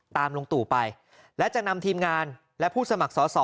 ลุงตู่ไปและจะนำทีมงานและผู้สมัครสอสอ